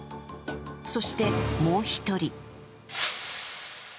そして、もう一人。